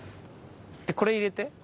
でこれ入れて。